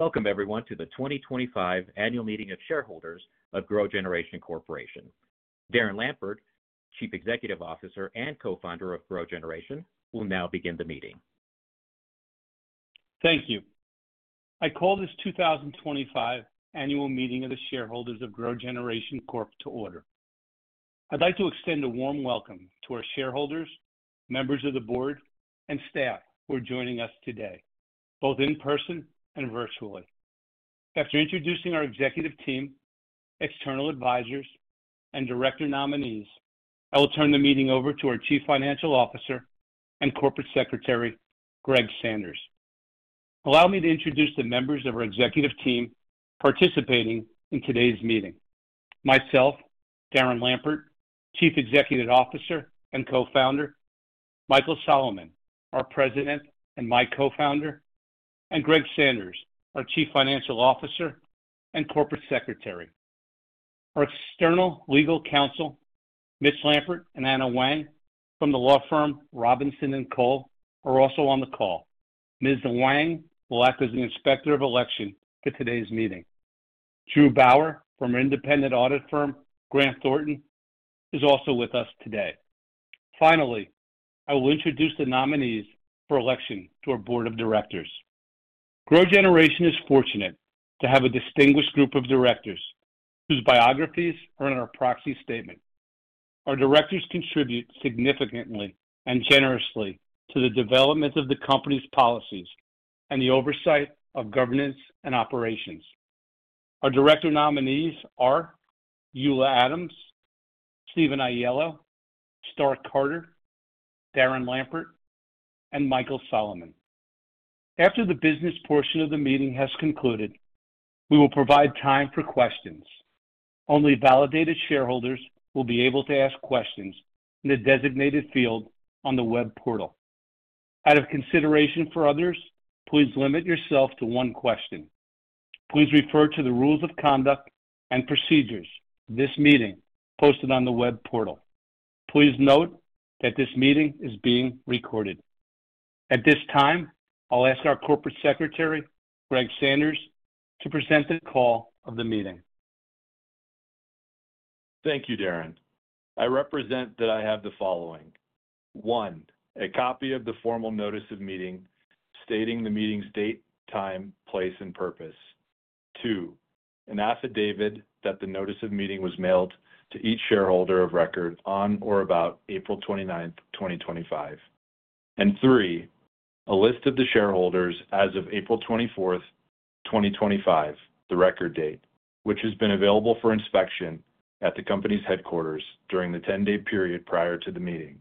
Welcome, everyone, to the 2025 Annual Meeting of Shareholders of GrowGeneration Corporation. Darren Lampert, Chief Executive Officer and Co-Founder of GrowGeneration, will now begin the meeting. Thank you. I call this 2025 Annual Meeting of the Shareholders of GrowGeneration Corp to order. I'd like to extend a warm welcome to our shareholders, members of the board, and staff who are joining us today, both in person and virtually. After introducing our Executive Team, External Advisors, and Director nominees, I will turn the meeting over to our Chief Financial Officer and Corporate Secretary, Greg Sanders. Allow me to introduce the members of our executive team participating in today's meeting: myself, Darren Lampert, Chief Executive Officer and Co-Founder; Michael Salaman, our President and my Co-Founder; and Greg Sanders, our Chief Financial Officer and Corporate Secretary. Our external legal counsel, Ms. Lampert and Anna Wang, from the law firm Robinson & Cole, are also on the call. Ms. Wang will act as an inspector of election for today's meeting. Drew Bauer from our independent audit firm, Grant Thornton, is also with us today. Finally, I will introduce the nominees for election to our Board of Directors. GrowGeneration is fortunate to have a distinguished group of directors whose biographies are in our proxy statement. Our directors contribute significantly and generously to the development of the company's policies and the oversight of governance and operations. Our Director nominees are Eula Adams, Steven Aiello, Stark Carter, Darren Lampert, and Michael Salaman. After the business portion of the meeting has concluded, we will provide time for questions. Only validated shareholders will be able to ask questions in the designated field on the web portal. Out of consideration for others, please limit yourself to one question. Please refer to the rules of conduct and procedures of this meeting posted on the web portal. Please note that this meeting is being recorded. At this time, I'll ask our Corporate Secretary, Greg Sanders, to present the call of the meeting. Thank you, Darren. I represent that I have the following: one, a copy of the formal notice of meeting stating the meeting's date, time, place, and purposes. Two, an affidavit that the notice of meeting was mailed to each shareholder of record on or about April 29th, 2025. And three, a list of the shareholders as of April 24th, 2025, the record date, which has been available for inspection at the company's headquarters during the 10-day period prior to the meeting.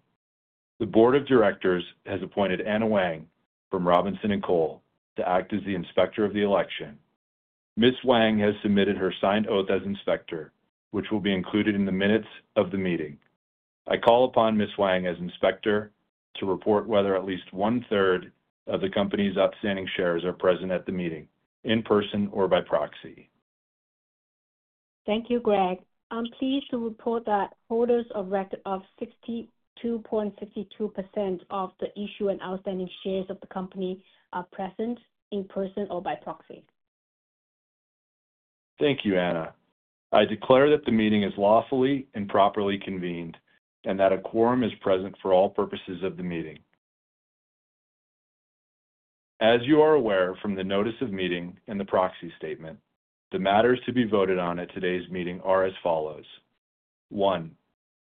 The Board of Directors has appointed Anna Wang from Robinson & Cole to act as the inspector of the election. Ms. Wang has submitted her signed oath as inspector, which will be included in the minutes of the meeting. I call upon Ms. Wang as inspector to report whether at least 1/3 of the company's outstanding shares are present at the meeting in person or by proxy. Thank you, Greg. I'm pleased to report that holders of record of 62.62% of the issued and outstanding shares of the company are present, in person or by proxy. Thank you, Anna. I declare that the meeting is lawfully and properly convened and that a quorum is present for all purposes of the meeting. As you are aware from the notice of meeting and the proxy statement, the matters to be voted on at today's meeting are as follows: one,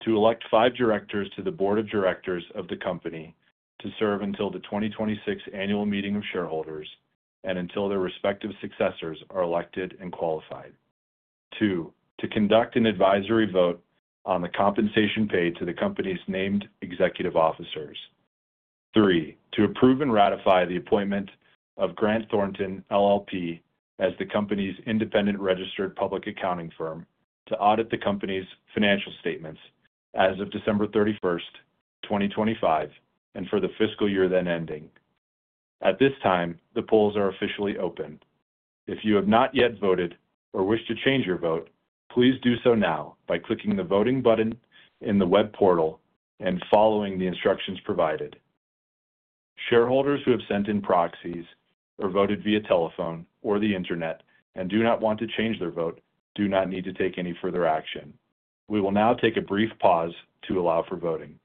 to elect five directors to the Board of Directors of the company to serve until the 2026 Annual Meeting of Shareholders and until their respective successors are elected and qualified; two, to conduct an advisory vote on the compensation paid to the company's named executive officers; three, to approve and ratify the appointment of Grant Thornton, LLP, as the company's independent registered public accounting firm to audit the company's financial statements as of December 31st, 2025, and for the fiscal year then ending. At this time, the polls are officially open. If you have not yet voted or wish to change your vote, please do so now by clicking the voting button in the web portal and following the instructions provided. Shareholders who have sent in proxies or voted via telephone or the internet and do not want to change their vote do not need to take any further action. We will now take a brief pause to allow for voting.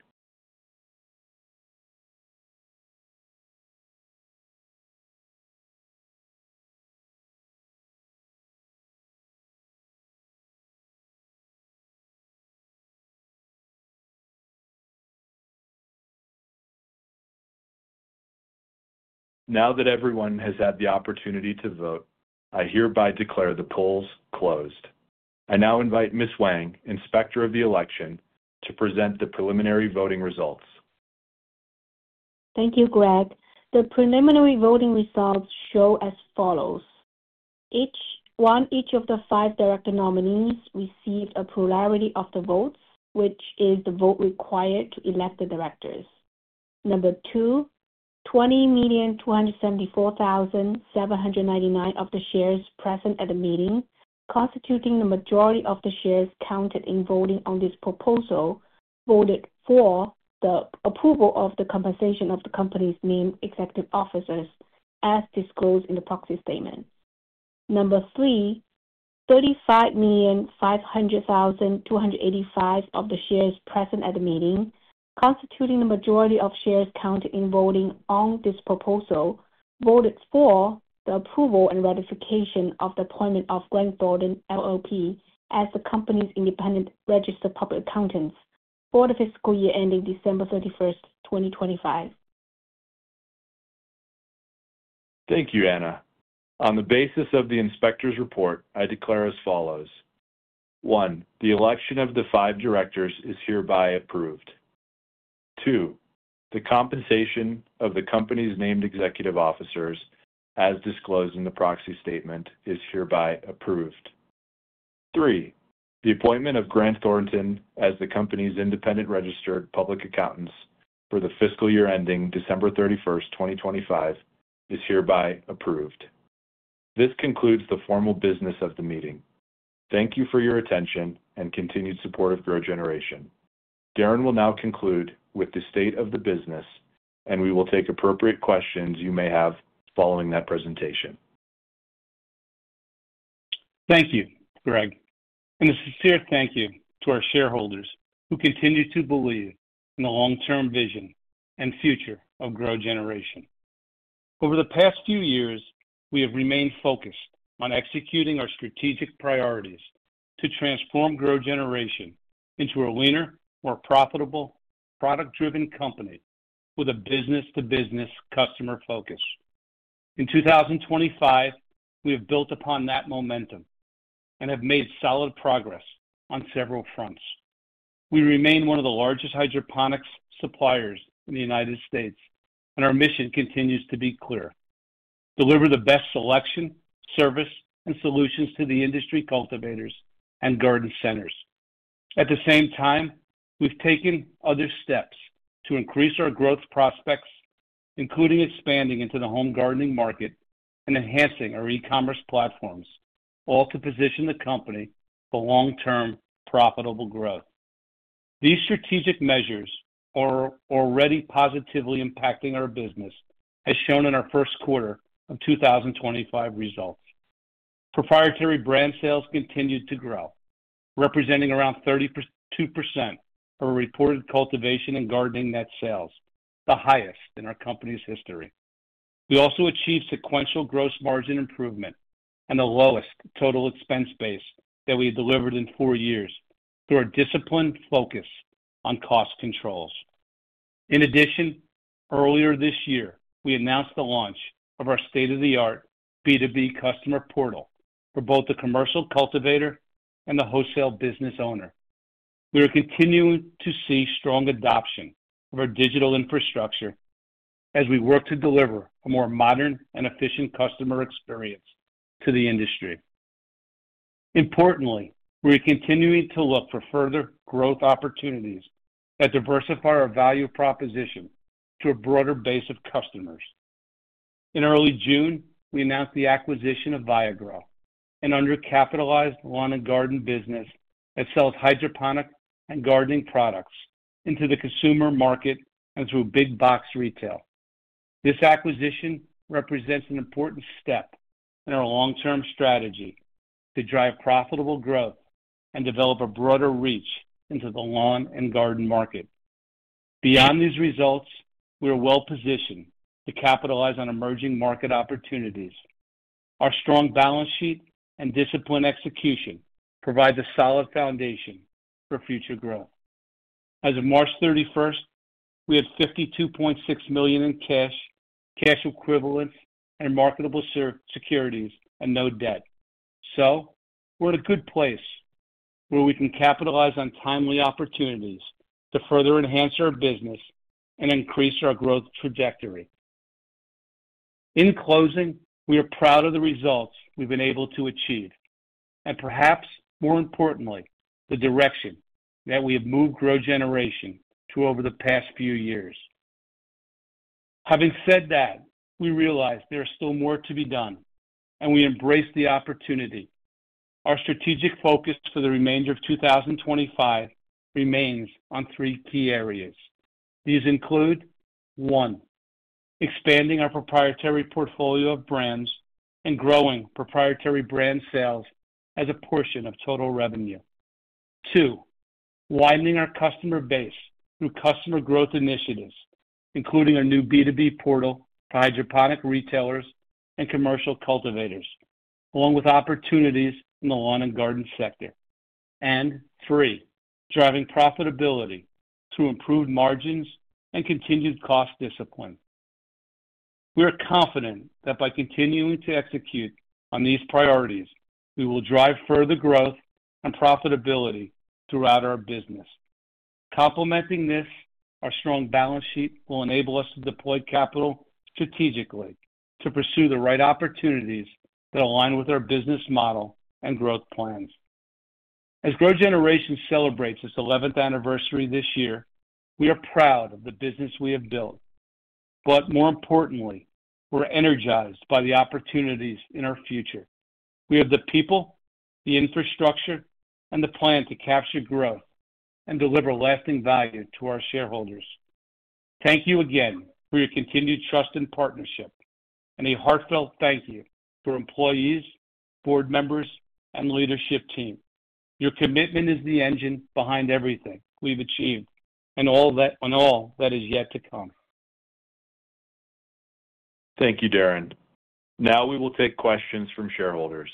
Now that everyone has had the opportunity to vote, I hereby declare the polls closed. I now invite Ms. Wang, inspector of the election, to present the preliminary voting results. Thank you, Greg. The preliminary voting results show as follows: one, each of the five director nominees received a plurality of the votes, which is the vote required to elect the directors. Number two, 20,274,799 of the shares present at the meeting, constituting the majority of the shares counted in voting on this proposal, voted for the approval of the compensation of the company's named executive officers, as disclosed in the proxy statement. Number three, 35,500,285 of the shares present at the meeting, constituting the majority of shares counted in voting on this proposal, voted for the approval and ratification of the appointment of Grant Thornton, LLP, as the company's independent registered public accountants for the fiscal year ending December 31st, 2025. Thank you, Anna. On the basis of the inspector's report, I declare as follows: one, the election of the five directors is hereby approved. Two, the compensation of the company's named executive officers, as disclosed in the proxy statement, is hereby approved. Three, the appointment of Grant Thornton as the company's independent registered public accountants for the fiscal year ending December 31st, 2025, is hereby approved. This concludes the formal business of the meeting. Thank you for your attention and continued support of GrowGeneration. Darren will now conclude with the state of the business, and we will take appropriate questions you may have following that presentation. Thank you, Greg. And a sincere thank you to our shareholders who continue to believe in the long-term vision and future of GrowGeneration. Over the past few years, we have remained focused on executing our strategic priorities to transform GrowGeneration into a winner, more profitable, product-driven company with a business-to-business customer focus. In 2025, we have built upon that momentum and have made solid progress on several fronts. We remain one of the largest hydroponics suppliers in the U.S., and our mission continues to be clear: deliver the best selection, service, and solutions to the industry cultivators and garden centers. At the same time, we've taken other steps to increase our growth prospects, including expanding into the home gardening market and enhancing our e-commerce platforms, all to position the company for long-term profitable growth. These strategic measures are already positively impacting our business, as shown in our first quarter of 2025 results. Proprietary brand sales continued to grow, representing around 32% of our reported cultivation and gardening net sales, the highest in our company's history. We also achieved sequential gross margin improvement and the lowest total expense base that we delivered in four years through our disciplined focus on cost controls. In addition, earlier this year, we announced the launch of our state-of-the-art B2B customer portal for both the commercial cultivator and the wholesale business owner. We are continuing to see strong adoption of our digital infrastructure as we work to deliver a more modern and efficient customer experience to the industry. Importantly, we are continuing to look for further growth opportunities that diversify our value proposition to a broader base of customers. In early June, we announced the acquisition of Vigoro, an undercapitalized lawn and garden business that sells hydroponic and gardening products into the consumer market and through big box retail. This acquisition represents an important step in our long-term strategy to drive profitable growth and develop a broader reach into the lawn and garden market. Beyond these results, we are well-positioned to capitalize on emerging market opportunities. Our strong balance sheet and disciplined execution provide a solid foundation for future growth. As of March 31st, we had $52.6 million in cash, cash equivalents, and marketable securities, and no debt. We are in a good place where we can capitalize on timely opportunities to further enhance our business and increase our growth trajectory. In closing, we are proud of the results we've been able to achieve, and perhaps more importantly, the direction that we have moved GrowGeneration to over the past few years. Having said that, we realize there is still more to be done, and we embrace the opportunity. Our strategic focus for the remainder of 2025 remains on three key areas. These include: one, expanding our proprietary portfolio of brands and growing proprietary brand sales as a portion of total revenue; two, widening our customer base through customer growth initiatives, including a new B2B portal for hydroponic retailers and commercial cultivators, along with opportunities in the lawn and garden sector; and three, driving profitability through improved margins and continued cost discipline. We are confident that by continuing to execute on these priorities, we will drive further growth and profitability throughout our business. Complementing this, our strong balance sheet will enable us to deploy capital strategically to pursue the right opportunities that align with our business model and growth plans. As GrowGeneration celebrates its 11th anniversary this year, we are proud of the business we have built. More importantly, we're energized by the opportunities in our future. We have the people, the infrastructure, and the plan to capture growth and deliver lasting value to our shareholders. Thank you again for your continued trust and partnership, and a heartfelt thank you to our employees, board members, and leadership team. Your commitment is the engine behind everything we've achieved and all that is yet to come. Thank you, Darren. Now we will take questions from shareholders.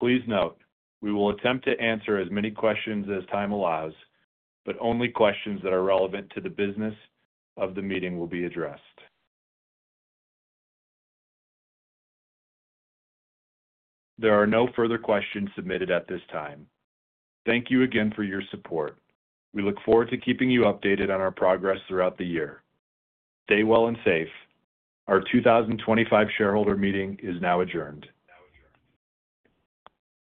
Please note we will attempt to answer as many questions as time allows, but only questions that are relevant to the business of the meeting will be addressed. There are no further questions submitted at this time. Thank you again for your support. We look forward to keeping you updated on our progress throughout the year. Stay well and safe. Our 2025 shareholder meeting is now adjourned.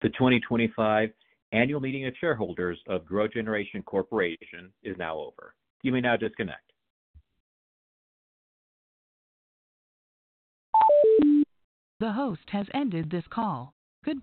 The 2025 Annual Meeting of Shareholders of GrowGeneration Corporation is now over. You may now disconnect. The host has ended this call. Good-bye.